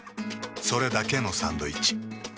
それだけのサンドイッチ。